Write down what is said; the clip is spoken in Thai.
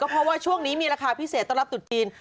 เพราะว่าช่วงนี้มีราคาพิเศษต้อนรับตุดจีน